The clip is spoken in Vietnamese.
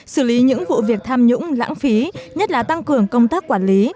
xử lý những vụ việc tham nhũng lãng phí nhất là tăng cường công tác quản lý